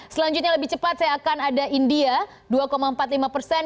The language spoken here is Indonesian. selanjutnya lebih cepat saya akan ada india dua empat puluh lima persen